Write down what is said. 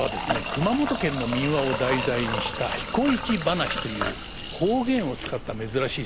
熊本県の民話を題材にした「彦市ばなし」という方言を使った珍しい作品です。